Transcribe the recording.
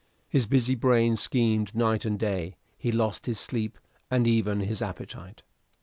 His busy brain schemed night and day; he lost his sleep, and even his appetite.